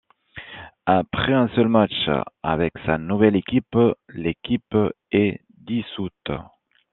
Après un seul match avec sa nouvelle équipe, l’équipe est dissoute.